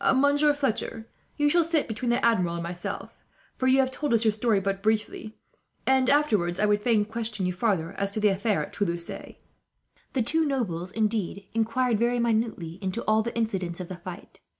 "Monsieur Fletcher, you shall sit between the Admiral and myself; for you have told us your story but briefly, and afterwards I would fain question you farther, as to that affair at Toulouse." The two nobles, indeed, inquired very minutely into all the incidents of the fight.